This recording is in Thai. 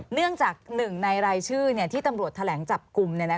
เนื่องจากหนึ่งในรายชื่อที่ตำรวจแถลงจับกลุ่ม